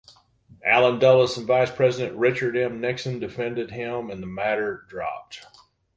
Allen Dulles and Vice President Richard M. Nixon defended him, and the matter dropped.